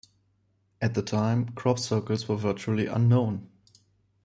At the time, crop circles were virtually unknown.